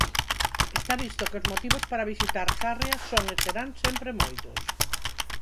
Está visto que os motivos para visitar Sarria son e serán sempre moitos.